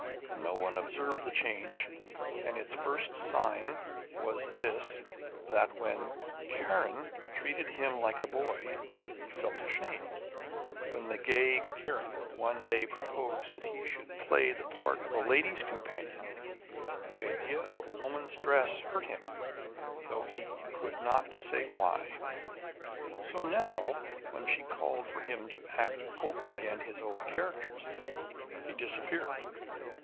No one observed the change, and its first sign was this, that when Kiran treated him like a boy, he felt ashamed. When the gay Kiran one day proposed that he should play the part of lady's companion, the idea of woman's dress hurt him, though he could not say why. So now, when she called for him to act over again his old characters, he disappeared.